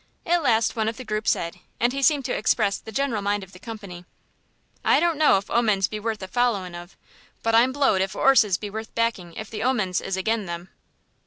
At last one of the group said, and he seemed to express the general mind of the company "I don't know if omens be worth a following of, but I'm blowed if 'orses be worth backing if the omens is again them."